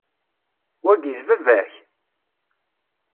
Wagi, d baba-k?